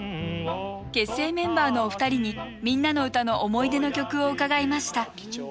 結成メンバーのお二人に「みんなのうた」の思い出の曲を伺いました。